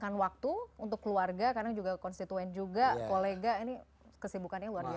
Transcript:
karena waktu itu waktu untuk keluarga kadang juga konstituen juga kolega ini kesibukannya luar biasa